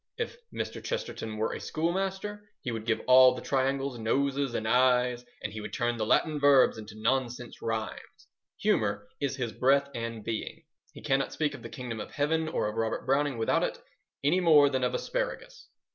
If Mr. Chesterton were a schoolmaster he would give all the triangles noses and eyes, and he would turn the Latin verbs into nonsense rhymes. Humour is his breath and being. He cannot speak of the Kingdom of Heaven or of Robert Browning without it any more than of asparagus.